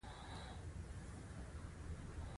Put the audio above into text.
پر څیره یې ږدم